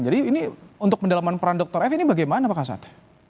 jadi ini untuk pendalaman peran dr f ini bagaimana pak khasad